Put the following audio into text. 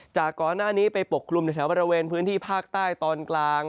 ก่อนหน้านี้ไปปกคลุมในแถวบริเวณพื้นที่ภาคใต้ตอนกลาง